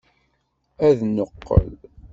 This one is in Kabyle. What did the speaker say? Ad neqqel!